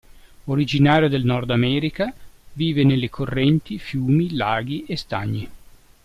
Originario del Nordamerica, vive nelle correnti, fiumi, laghi e stagni.